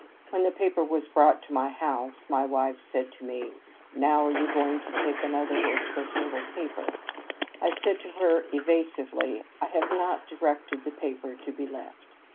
When the paper was brought to my house, my wife said to me, ' Now are you going to take another worthless little paper ?' I said to her evasively, ' I have not directed the paper to be left.'